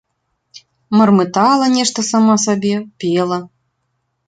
Мармытала нешта сама сабе, пела.